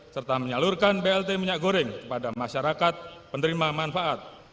serta menyalurkan blt minyak goreng kepada masyarakat penerima manfaat